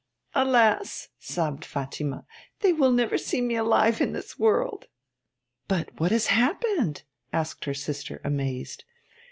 'Alas!' sobbed Fatima, 'they will never see me alive in this world!' 'But what has happened? 'asked her sister, amazed.